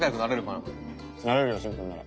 なれるよ心君なら。